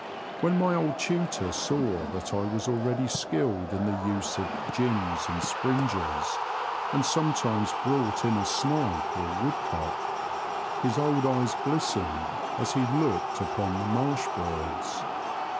When my old tutor saw that I was already skilled in the use of *' gins " and '' springes," and sometimes brought in a snipe or woodcock, his old eyes glistened as he looked upon the marsh birds.